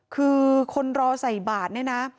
คือคนรอใส่บาทเนี่ยนะ